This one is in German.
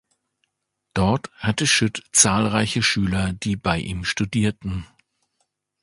Dort hatte Schütt zahlreiche Schüler, die bei ihm studierten.